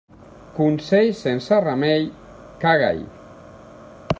Consell sense remei, caga-hi.